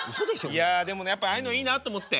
いやでもねやっぱああいうのいいなと思って。